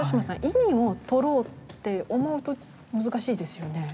意味をとろうって思うと難しいですよね。